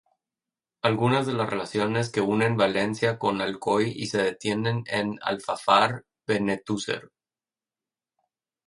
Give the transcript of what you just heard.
Algunas de las relaciones que unen Valencia con Alcoy se detienen en Alfafar-Benetúser.